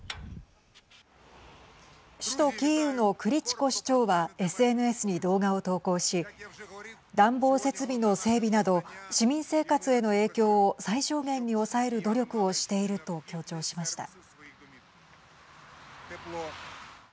首都キーウのクリチコ市長はＳＮＳに動画を投稿し暖房設備の整備など市民生活への影響を最小限に抑える努力をしていると強調しました。